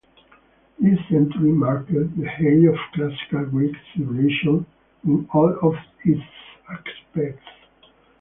This century marked the height of Classical Greek civilization in all of its aspects.